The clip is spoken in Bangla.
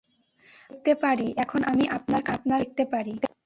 আমি দেখতে পারি, এখন আমি আপনার কাঁন্না দেখতে পারি।